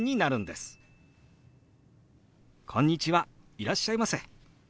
いらっしゃいませ」。